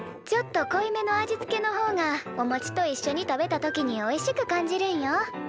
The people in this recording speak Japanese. ちょっと濃いめの味付けの方がおもちといっしょに食べた時においしく感じるんよ。